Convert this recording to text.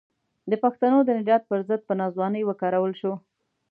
د پښتنو د نجات پر ضد په ناځوانۍ وکارول شو.